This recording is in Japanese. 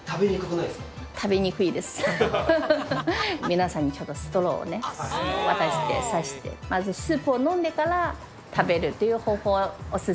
皆さんにちょっとストローをね渡して挿してまずスープを飲んでから食べるという方法をおすすめしてます。